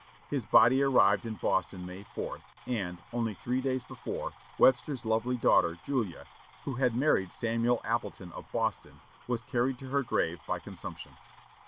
His body arrived in Boston May 4, and, only three days before, Webster's lovely daughter, Julia, who had married Samuel Appleton of Boston, was carried to her grave by consumption.